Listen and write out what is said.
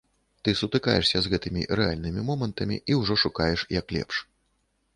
Ты сутыкаешся з гэтымі рэальнымі момантамі, і ўжо шукаеш, як лепш.